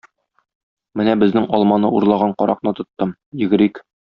Менә безнең алманы урлаган каракны тоттым, йөгерик.